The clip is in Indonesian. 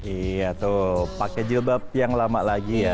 iya tuh pakai jilbab yang lama lagi ya